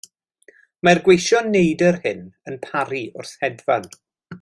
Mae'r gweision neidr hyn yn paru wrth hedfan.